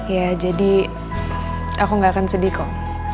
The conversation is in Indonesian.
ya jadi aku gak akan sedih kok